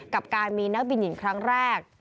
กับการมีนักบินหญิงครั้งแรก